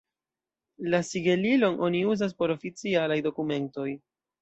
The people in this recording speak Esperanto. La sigelilon oni uzas por oficialaj dokumentoj.